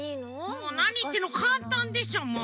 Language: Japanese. もうなにいってんのかんたんでしょ。え？